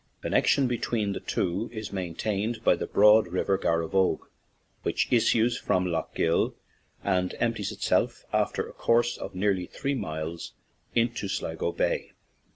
Connection between the two is maintained by the broad river Gar rogue, which issues from Lough Gill and empties itself, after a course of nearly three miles, into Sligo Bay.